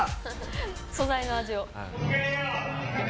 素材の味を。